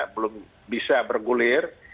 belum bisa bergulir